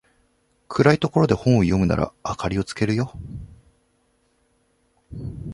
暗いところで本を読むなら明かりつけるよ